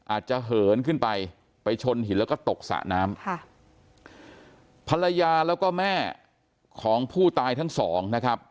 เหินขึ้นไปไปชนหินแล้วก็ตกสระน้ำค่ะภรรยาแล้วก็แม่ของผู้ตายทั้งสองนะครับ